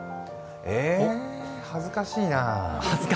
え、恥ずかしいなぁ。